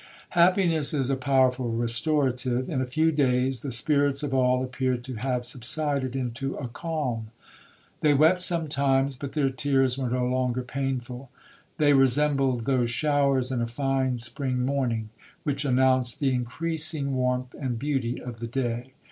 'Happiness is a powerful restorative,—in a few days the spirits of all appeared to have subsided into a calm. They wept sometimes, but their tears were no longer painful;—they resembled those showers in a fine spring morning, which announce the increasing warmth and beauty of the day.